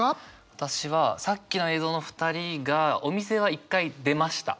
私はさっきの映像の２人がお店は一回出ました。